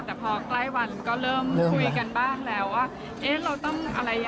แต่พอใกล้วันก็เริ่มคุยกันบ้างแล้ว